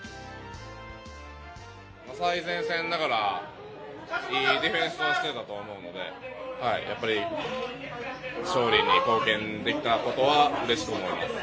最前線ながらいいディフェンスをしていたと思うのでやっぱり勝利に貢献できたことはうれしいと思います。